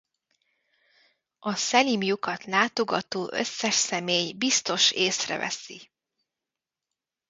A Szelim-lyukat látogató összes személy biztos észreveszi.